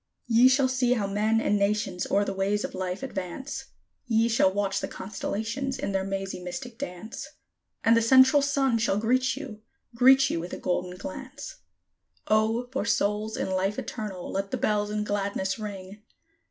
Ye shall see how men and nations o'er the ways of life advance; Ye shall watch the constellations in their mazy, mystic dance; And the Central Sun shall greet you greet you with a golden glance. O, for souls in Life Eternal let the bells in gladness ring!